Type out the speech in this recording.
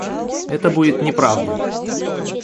Это будет неправда.